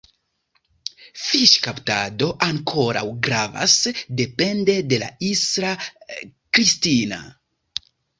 Fiŝkaptado ankoraŭ gravas, depende de Isla Cristina.